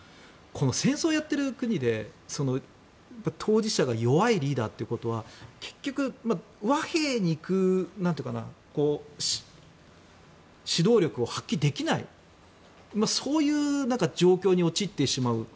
戦争をやっている国で当事者が弱いリーダーということは結局、和平に行く指導力を発揮できないそういう状況に陥ってしまう。